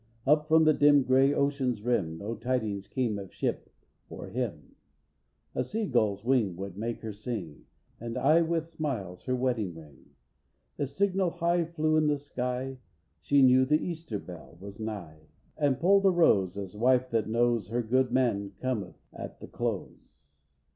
Up from the dim grey ocean's rim No tidings came of ship, or him. A sea gull's wing would make her sing, And eye with smiles her wedding ring. If signal high flew in the sky, She knew the Easter Bell was nigh, And pulled a rose, as wife that knows Her good man cometh at the close.